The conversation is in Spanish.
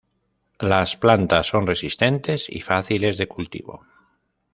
Las plantas son resistentes y fáciles de cultivo.